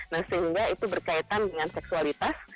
nah sehingga itu berkaitan dengan seksualitas